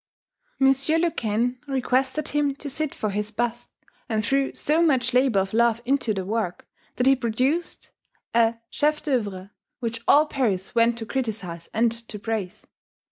Monsieur Lequesne requested him to sit for his bust, and threw so much labor of love into the work, that he produced a chef d'oeuvre which all Paris went to criticize and to praise.